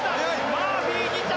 マーフィー、２着！